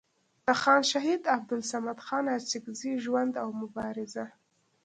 د خان شهید عبدالصمد خان اڅکزي ژوند او مبارزه